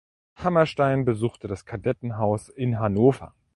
Hammerstein besuchte das Kadettenhaus in Hannover.